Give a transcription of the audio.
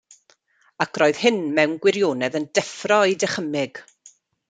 Ac roedd hyn mewn gwirionedd yn deffro ei dychymyg.